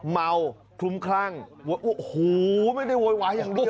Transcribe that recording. เมาคลุมคลั่งโอ้โหไม่ได้โวยวายอย่างเดียว